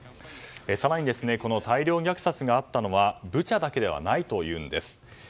更に、大量虐殺があったのはブチャだけではないというのです。